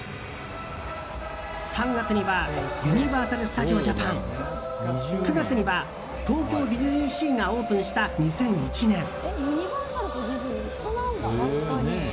３月には、ユニバーサル・スタジオ・ジャパン９月には東京ディズニーシーがオープンした２００１年。